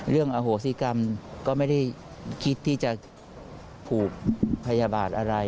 อโหสิกรรมก็ไม่ได้คิดที่จะผูกพยาบาทอะไร